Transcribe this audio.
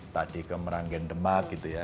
tadi ke meranggen demak gitu ya